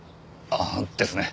ああですね。